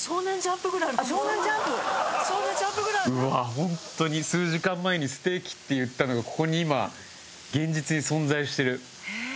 ホントに数時間前に「ステーキ」って言ったのがここに今現実に存在してる。